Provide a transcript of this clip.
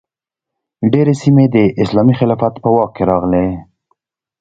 ډیرې سیمې د اسلامي خلافت په واک کې راغلې.